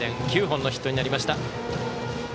９本のヒットになりました。